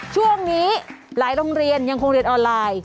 ช่วงนี้หลายโรงเรียนยังคงเรียนออนไลน์